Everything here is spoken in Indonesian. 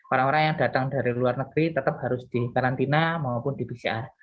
orang orang yang datang dari luar negeri tetap harus dikarantina maupun di pcr